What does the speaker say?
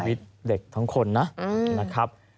ชีวิตเด็กทั้งคนนะ